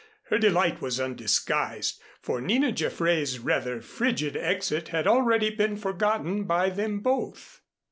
Her delight was undisguised, for Nina Jaffray's rather frigid exit had already been forgotten by them both.